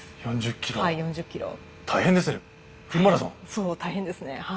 そう大変ですねはい。